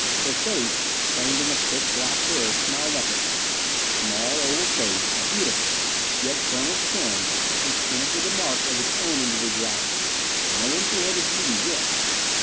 Her face, framed in the thick, black hair, smiled up at me. Small, oval face beautiful yet firm of chin, and stamped with the mark of its own individuality. No empty headed beauty, this.